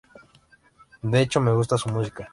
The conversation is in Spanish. De hecho, me gusta su música.